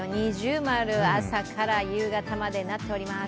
◎、朝から夕方までなっております。